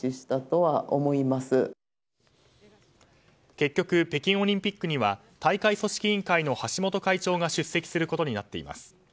結局、北京オリンピックには大会組織委員会の橋本会長が出席することになっています。